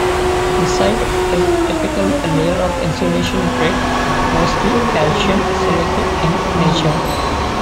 Inside is typically a layer of insulation brick, mostly calcium silicate in nature.